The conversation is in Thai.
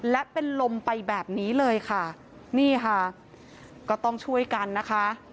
และเป็นลมไปแบบนี้เลยค่ะนี่ค่ะก็ต้องช่วยกันนะคะ